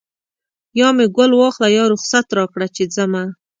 یا مې ګل واخله یا رخصت راکړه چې ځمه